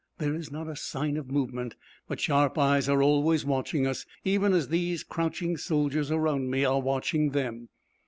There is not a sign of movement, but sharp eyes are always watching us, even as these crouching soldiers around me are watching them.